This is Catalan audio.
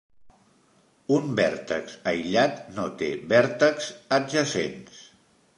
Un vèrtex aïllat no té vèrtexs adjacents.